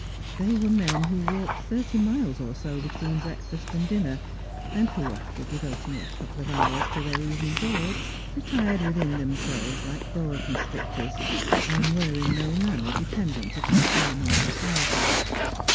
They were men who walked thirty miles or so between breakfast and dinner, and who, after devoting a couple of hours o their evening gorge, retired within themselves like boa con ^rictors, and were in no manner dependent upon feminine Jociety.